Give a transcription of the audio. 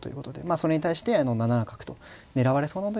それに対して７七角と狙われそうなので引いたと。